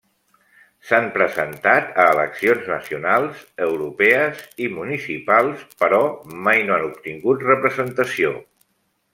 S'han presentat a eleccions nacionals, europees i municipals però mai no han obtingut representació.